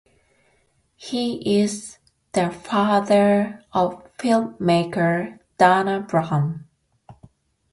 He is the father of filmmaker Dana Brown.